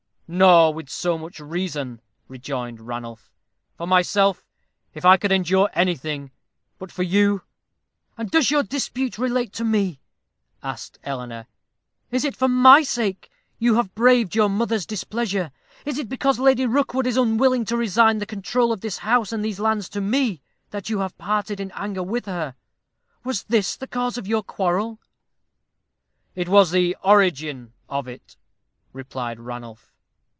"Nor with so much reason," rejoined Ranulph. "For myself, I could endure anything but for you " "And does your dispute relate to me?" asked Eleanor. "Is it for my sake you have braved your mother's displeasure? Is it because Lady Rookwood is unwilling to resign the control of this house and these lands to me, that you have parted in anger with her? Was this the cause of your quarrel?" "It was the origin of it," replied Ranulph.